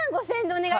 お願い